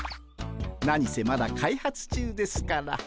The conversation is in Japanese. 何せまだ開発中ですから。